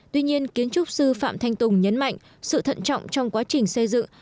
tuy nhiên kiến trúc sư phạm thanh tùng nhấn mạnh sự thận trọng trong quá trình xây dựng